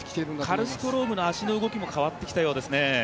カルストロームの足の動きも変わってきたようですね。